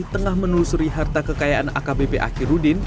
tengah menelusuri harta kekayaan akbp akhirudin